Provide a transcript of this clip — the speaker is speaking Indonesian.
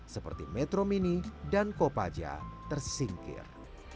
seperti metro mini dan kopaja tersingkir